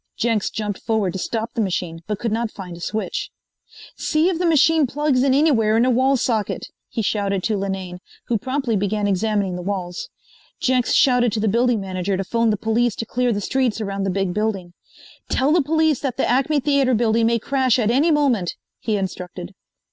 Jenks jumped forward to stop the machine but could not find a switch. "See if the machine plugs in anywhere in a wall socket!" he shouted to Linane, who promptly began examining the walls. Jenks shouted to the building manager to phone the police to clear the streets around the big building. "Tell the police that the Acme Theater building may crash at any moment," he instructed.